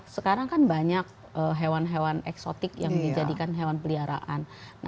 sekarang kan banyak hewan hewan eksotik yang dijadikan hewan peliharaan